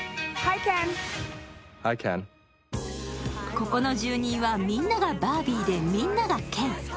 ここの住人はみんながバービーで、みんながケン。